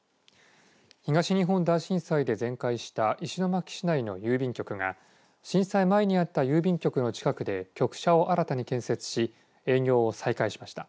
東日本大震災で全壊した石巻市内の郵便局が震災前にあった郵便局の近くで局舎を新たに建設し営業を再開しました。